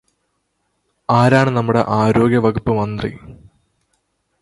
ആരാണ് നമ്മുടെ ആരോഗ്യവകുപ്പ് മന്ത്രി?